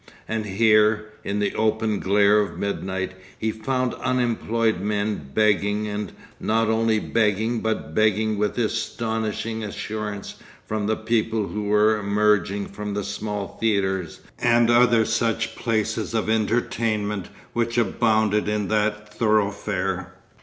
And here, in the open glare of midnight, he found unemployed men begging, and not only begging, but begging with astonishing assurance, from the people who were emerging from the small theatres and other such places of entertainment which abounded in that thoroughfare.